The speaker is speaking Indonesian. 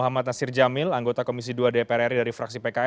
muhammad nasir jamil anggota komisi dua dpr ri dari fraksi pks